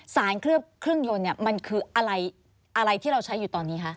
เคลือบเครื่องยนต์เนี่ยมันคืออะไรที่เราใช้อยู่ตอนนี้คะ